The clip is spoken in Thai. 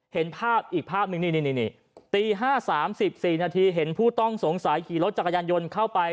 เห็นภาพอีกภาพหนึ่งนี่ตี๕๓๔นาทีเห็นผู้ต้องสงสัยขี่รถจักรยานยนต์เข้าไป